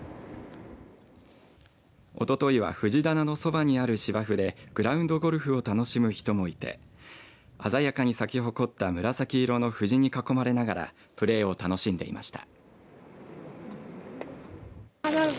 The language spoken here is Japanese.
おとといは藤棚のそばにある芝生でグラウンドゴルフを楽しむ人もいて鮮やかに咲き誇った紫色の藤に囲まれながらプレーを楽しんでいました。